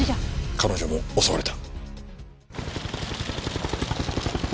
彼女も襲われた。